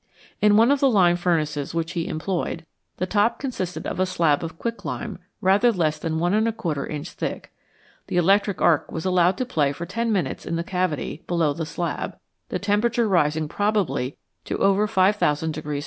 In one of the lime furnaces which he employed, the top consisted of a slab of quicklime rather less than 1J inch thick. The electric arc was allowed to play for ten minutes in the cavity below the slab, the temperature rising probably to over 5000 Fahrenheit.